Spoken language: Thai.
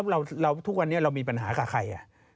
เราทุกวันนี้เรามีปัญหากับใคร